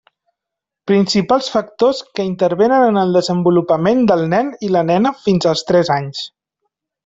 Principals factors que intervenen en el desenvolupament del nen i la nena fins als tres anys.